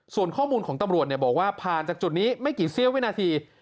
ส่วนข้อมูลของตำรวจบอกว่าผ่านจากจุดนี้ไม่กี่เสี้ยววินาที